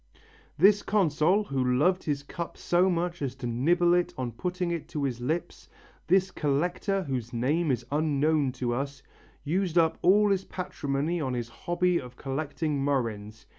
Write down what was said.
This consul, who loved his cup so much as to nibble it on putting it to his lips, this collector, whose name is unknown to us, used up all his patrimony on his hobby of collecting murrhines.